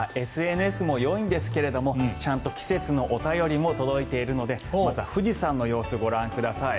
ＳＮＳもよいんですけれどもちゃんと季節のお便りも届いているのでまず富士山の様子ご覧ください。